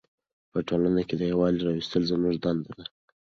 په ټولنه کې د یووالي راوستل زموږ دنده ده.